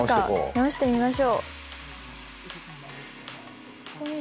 直してみましょう！